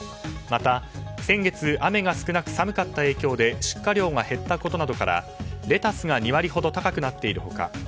また、先月雨が少なく寒かった影響で出荷量が減ったことなどからレタスが２割ほど高くなっている他